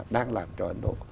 đang làm cho ấn độ